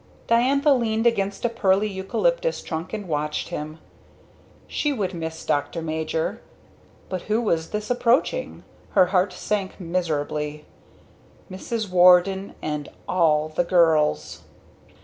Diantha leaned against a pearly eucalyptus trunk and watched him. She would miss Dr. Major. But who was this approaching? Her heart sank miserably. Mrs. Warden and all the girls.